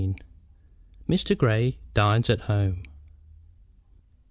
MR. GREY DINES AT HOME.